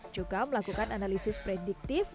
juga melakukan analisis prediktif